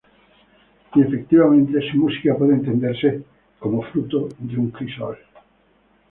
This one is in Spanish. Y efectivamente, su música puede entenderse como fruto de un crisol.